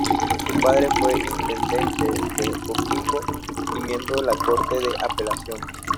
Su padre fue intendente de Coquimbo y miembro de la Corte de Apelaciones.